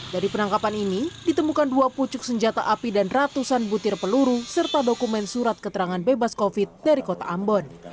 dari penangkapan ini ditemukan dua pucuk senjata api dan ratusan butir peluru serta dokumen surat keterangan bebas covid dari kota ambon